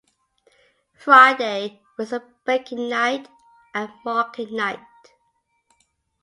Friday was the baking night and market night.